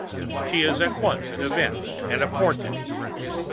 She is at once an event and a portent.